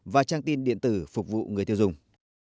và trang tin điện tử phục vụ người tiêu dùng